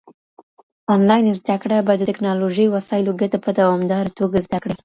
انلاين زده کړه به د ټکنالوژۍ وسايلو ګټه په دوامداره توګه زده کړي.